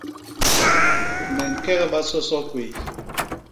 Me ñkegba soso kwéy.